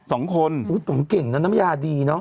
สองคนอุ้ยของเก่งนะน้ำยาดีเนอะ